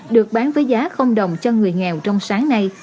được bán với giá đồng cho người nghèo trong sáng nay